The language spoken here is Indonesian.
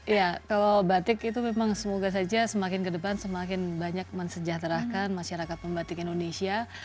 iya kalau batik itu memang semoga saja semakin ke depan semakin banyak mensejahterakan masyarakat pembatik indonesia